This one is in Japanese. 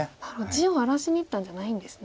地を荒らしにいったんじゃないんですね。